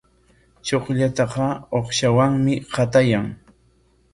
Chukllataqa uqshawanmi qatayan.